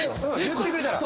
言ってくれたら。